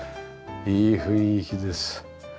いい雰囲気です。